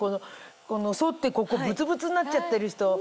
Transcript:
剃ってここブツブツになっちゃってる人。